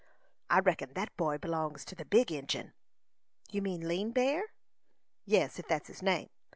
I reckon that boy belongs to the big Injin." "You mean Lean Bear." "Yes, if that's his name.